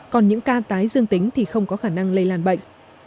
còn những ca tái dương tính thì không có khả năng lây lan bệnh